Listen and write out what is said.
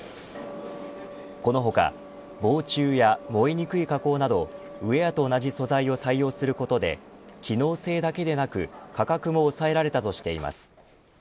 この他、防虫や燃えにくい加工などウェアと同じ素材を採用することで機能性だけでなく価格も抑えられたとしています。